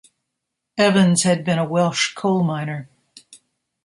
Evans had been a Welsh coal miner.